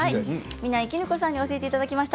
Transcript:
みないきぬこさんに教えていただきました。